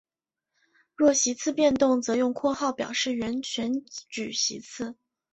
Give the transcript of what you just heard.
若席次变动则用括号表示原选举席次。